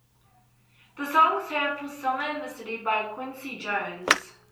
The song samples Summer in the City by Quincy Jones.